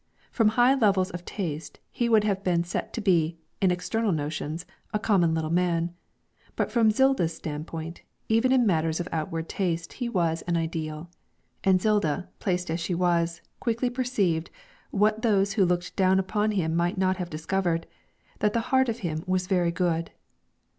From higher levels of taste he would have been seen to be, in external notions, a common little man, but from Zilda's standpoint, even in matters of outward taste he was an ideal; and Zilda, placed as she was, quickly perceived, what those who looked down upon him might not have discovered, that the heart of him was very good.